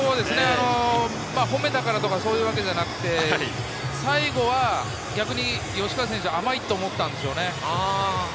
褒めたからとか、そういうわけではなくて、最後は逆に吉川選手、甘いと思ったんでしょうね。